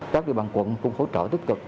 các địa bàn quận cũng hỗ trợ tích cực